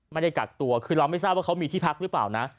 ไม่ได้กักตัวคือเราไม่ทราบว่าเขามีที่พักหรือเปล่านะ